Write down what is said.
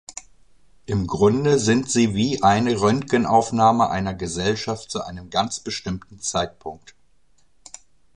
Im Grunde sind sie wie eine Röntgenaufnahme einer Gesellschaft zu einem ganz bestimmten Zeitpunkt.